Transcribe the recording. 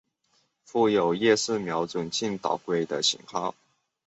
附有夜视瞄准镜导轨的型号。